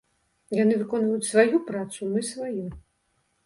Яны выконваюць сваю працу, мы сваю.